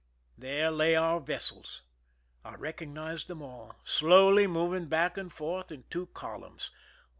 There lay our vessels,— I recognized them all,— slowly moving back and forth in two columns.